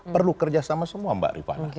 perlu kerjasama semua mbak rifana